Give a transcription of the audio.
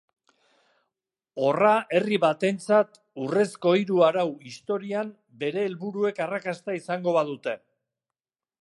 Horra herri batentzat urrezko hiru arau historian bere helburuek arrakasta izango badute.